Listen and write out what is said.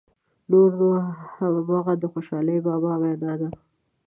نور نو همغه د خوشحال بابا وینا ده.